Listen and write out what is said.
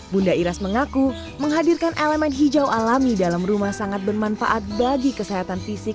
bunda iras mengaku menghadirkan elemen hijau alami dalam rumah sangat bermanfaat bagi kesehatan fisik